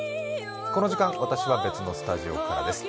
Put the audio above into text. この時間、私は別のスタジオからです。